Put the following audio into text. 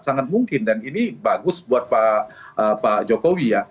sangat mungkin dan ini bagus buat pak jokowi ya